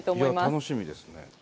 楽しみですね。